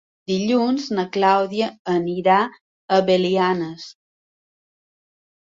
Dilluns na Clàudia anirà a Belianes.